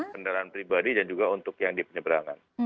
kendaraan pribadi dan juga untuk yang di penyeberangan